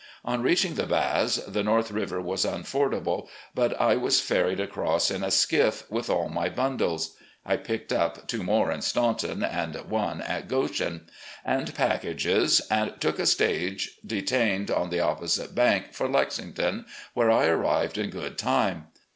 On reaching the Baths, the North River was unfordable, but I was ferried across in a .skiflF, THE IDOL OF THE SOUTH 209 with an my bundles (I picked up two more in Staunton and one at Goshen) and packages, and took a stage de tained on the opposite bank for Lexington, where I arrived in good time.